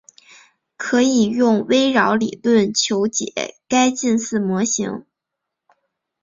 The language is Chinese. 可以用微扰理论求解该近似模型。